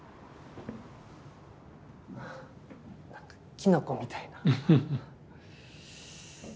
キノコみたいな。